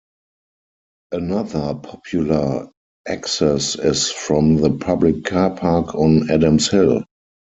Another popular access is from the public car park on Adams Hill.